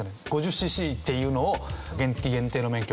シーシーっていうのを原付限定の免許。